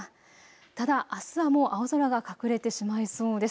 ただあすはもう青空が隠れてしまいそうです。